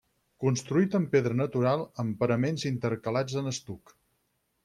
Construït amb pedra natural amb paraments intercalats en estuc.